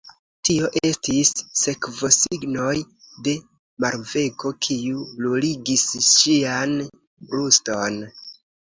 Tio estis sekvosignoj de varmego, kiu bruligis ŝian bruston.